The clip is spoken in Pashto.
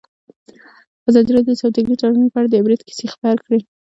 ازادي راډیو د سوداګریز تړونونه په اړه د عبرت کیسې خبر کړي.